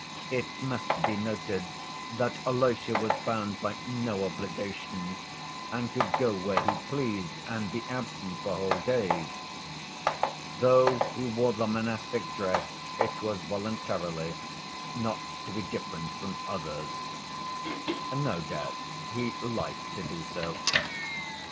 It must be noted that Alyosha was bound by no obligation and could go where he pleased and be absent for whole days. Though he wore the monastic dress it was voluntarily, not to be different from others. No doubt he liked to do so.